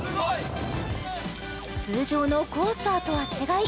通常のコースターとは違い